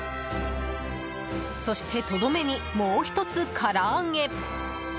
そして、とどめにもう１つから揚げ！